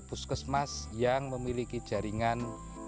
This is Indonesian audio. puskesmas yang memiliki jaringan